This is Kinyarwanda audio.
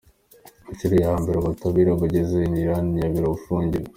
inshuro ya mbere ubutabera bugeze aho Iryn Namubiru afungiwe.